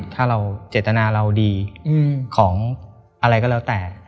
ถ้าเราเจตนาเราดีของอะไรก็แล้วแต่